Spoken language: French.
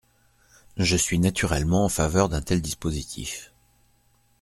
Je suis naturellement en faveur d’un tel dispositif.